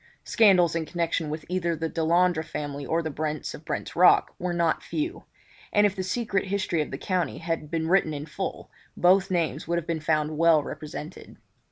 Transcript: Scandals in connection with either the Delandre family or the Brents of Brent's Rock, were not few; and if the secret history of the county had been written in full both names would have been found well represented.